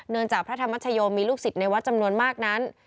จากพระธรรมชโยมีลูกศิษย์ในวัดจำนวนมากนั้น